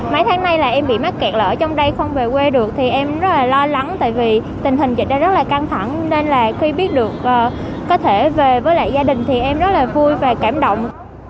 mấy tháng nay là em bị mắc kẹt lỡ trong đây không về quê được thì em rất là lo lắng tại vì tình hình dịch này rất là căng thẳng nên là khi biết được có thể về với lại gia đình thì em rất là vui và cảm động